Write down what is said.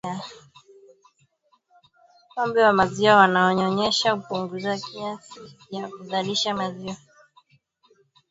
Ngombe wa maziwa wanaonyonyesha hupunguza kasi ya kuzalisha maziwa